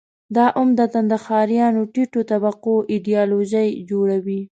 دا عمدتاً د ښاریانو ټیټو طبقو ایدیالوژي جوړوي.